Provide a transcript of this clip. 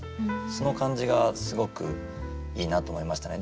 その感じがすごくいいなと思いましたね。